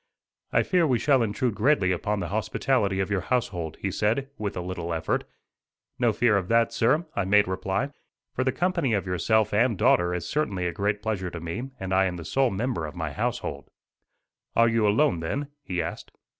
"I fear we shall intrude greatly upon the hospitality of your household;" he said, with a little effort. "No fear of that, sir," I made reply; "for the company of yourself and daughter is certainly a great pleasure to me and I am the sole member of my household." "Are you alone, then?" he asked.